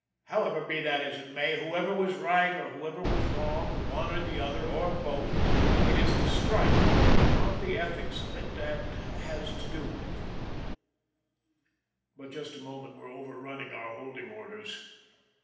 However, be that as it may, whoever was right or whoever was wrong, one or the other, or both, it is the strike, not the ethics of it, that has to do with but just a moment, we* re over running our holding orders.